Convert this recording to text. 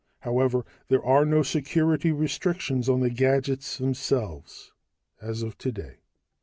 However, there are no security restrictions on the gadgets themselves, as of today."